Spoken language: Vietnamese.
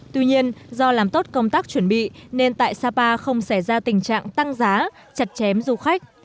tuy nhiên do làm tốt công tác chuẩn bị nên tại sapa không xảy ra tình trạng tăng giá chặt chém du khách